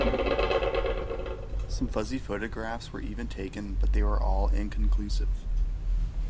Some fuzzy photographs were even taken, but they were all inconclusive.